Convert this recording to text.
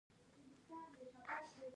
د ماشومانو توپیر ښه کار نه دی.